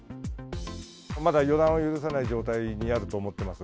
まだ予断を許さない状態にあると思っています。